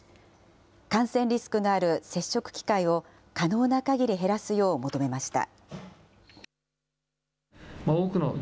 感染リスクのある接触機会を可能なかぎり減らすよう求めました。